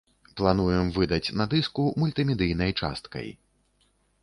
Плануем выдаць на дыску мультымедыйнай часткай.